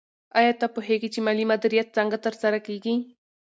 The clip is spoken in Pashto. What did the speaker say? آیا ته پوهېږې چې مالي مدیریت څنګه ترسره کېږي؟